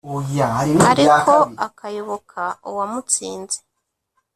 ariko akayoboka uwamutsinze.